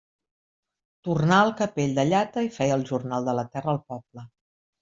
Tornà al capell de llata i feia el jornal de la terra al poble.